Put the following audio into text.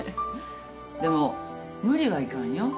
でも無理はいかんよ。